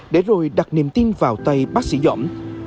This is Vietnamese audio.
để rồi đặt niềm tin vào tay bác sĩ doãn